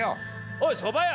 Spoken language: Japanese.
「おいそば屋！」。